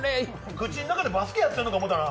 口ん中でバスケやってんのかと思ったわ！